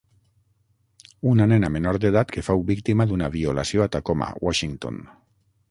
Una nena menor d'edat que fou víctima d'una violació a Tacoma, Washington.